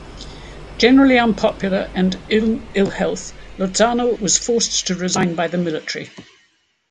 Generally unpopular, and in ill health, Lozano was forced to resign by the military.